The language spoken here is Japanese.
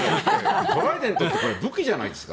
トライデントなんて武器じゃないですか。